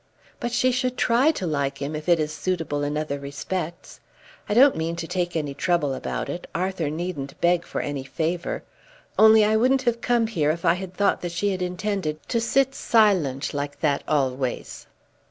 "But she should try to like him if it is suitable in other respects. I don't mean to take any trouble about it. Arthur needn't beg for any favour. Only I wouldn't have come here if I had thought that she had intended to sit silent like that always."